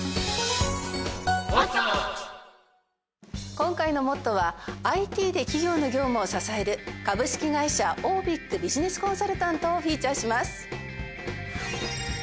今回の『ＭＯＴＴＯ！！』はＩＴで企業の業務を支える株式会社オービックビジネスコンサルタントをフィーチャーします。